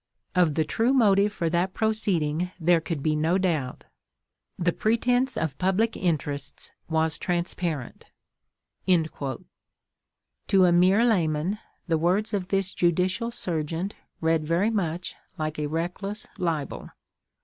Of the true motive for that proceeding there could be no doubt. The pretence of public interests was transparent." To a mere layman the words of this judicial Serjeant read very much like a reckless libel.